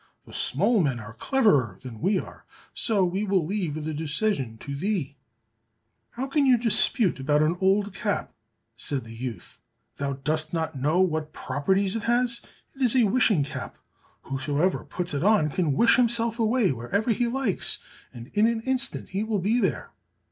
The small men are cleverer than we are, so we will leave the decision to thee." "How can you dispute about an old cap?" said the youth. "Thou dost not know what properties it has! It is a wishing cap; whosoever puts it on, can wish himself away wherever he likes, and in an instant he will be there."